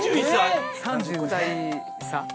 ３０歳差。